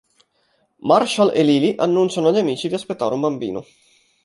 Marshall e Lily annunciano agli amici di aspettare un bambino.